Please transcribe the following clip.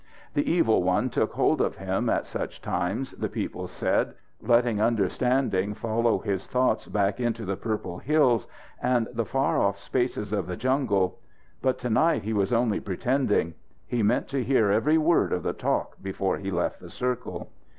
The evil one took hold of him at such times, the people said, letting understanding follow his thoughts back into the purple hills and the far off spaces of the jungle. But to night he was only pretending. He meant to hear every word of the talk before he left the circle.